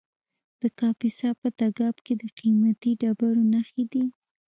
د کاپیسا په تګاب کې د قیمتي ډبرو نښې دي.